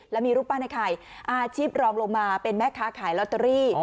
แล้วมีรูปปั้นไอ้ไข่อาชีพรองลงมาเป็นแม่ค้าขายลอตเตอรี่